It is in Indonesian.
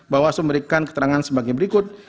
bahwa sumberikan keterangan sebagai berikut